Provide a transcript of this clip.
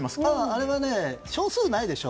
あれは、小数がないでしょ。